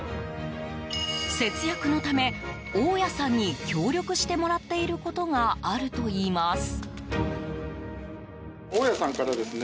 節約のため、大家さんに協力してもらっていることがあるといいます。